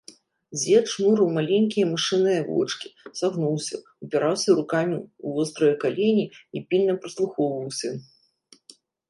Дзед жмурыў маленькія мышыныя вочкі, сагнуўся, упіраўся рукамі ў вострыя калені і пільна прыслухоўваўся.